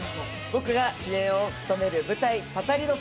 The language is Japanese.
僕が主演を務める舞台「パタリロ！」